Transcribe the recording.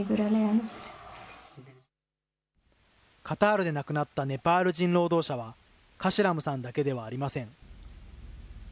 カタールで亡くなったネパール人労働者は、カシラムさんだけではありません。